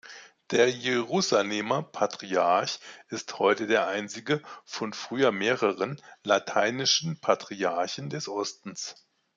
Der Jerusalemer Patriarch ist heute der einzige von früher mehreren "Lateinischen Patriarchen des Ostens".